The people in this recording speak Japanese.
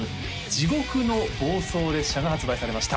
「地獄の暴走列車」が発売されました